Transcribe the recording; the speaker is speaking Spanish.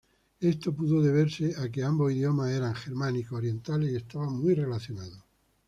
Esto pudo deberse a que ambos idiomas eran germánicos orientales y estaban muy relacionados.